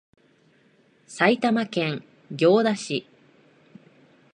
埼玉県行田市